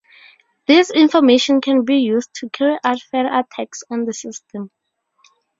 This information can be used to carry out further attacks on the system.